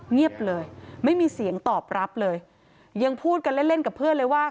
เงียบเลยไม่มีเสียงตอบรับเลยยังพูดกันเล่นเล่นกับเพื่อนเลยว่า